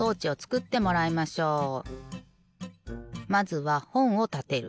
まずはほんをたてる。